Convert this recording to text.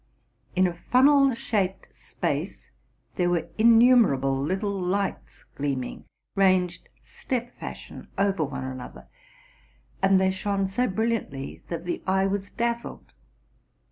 In a funnel shaped space there were innumerable little lights gleaming, ranged step fashion over one another; and they shone so brilliantly that the eye was dazzled.